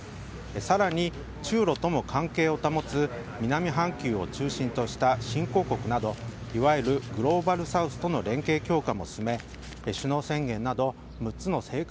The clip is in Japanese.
更に、中ロとの関係を保つ南半球を中心とした新興国など、いわゆるグローバルサウスとの連携強化も進め首脳宣言など６つの成果